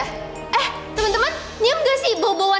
eh temen temen nyam gak sih bau bauan asli